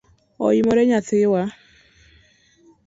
Oimore nyathiwa?